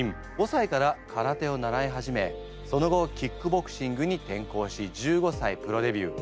５歳から空手を習い始めその後キックボクシングに転向し１５歳プロデビュー。